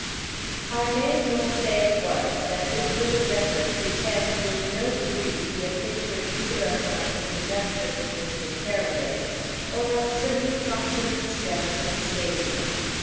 I may as well say at once that this little record pretends in no degree to be a picture either of my introduction to Mr. Paraday or of certain proximate steps and stages.